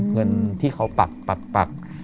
เงินที่เขาปัก